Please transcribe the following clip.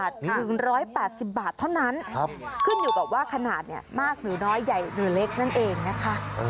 ถึง๑๘๐บาทเท่านั้นครูห่างมาตรักขึ้นอยู่กับว่าขนาดมากหรือน้อยใหญ่หรือเล็กนั้นเองนะคะ